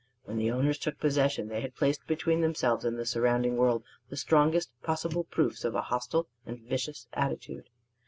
When the owners took possession, they had placed between themselves and the surrounding world the strongest possible proofs of a hostile and vicious attitude.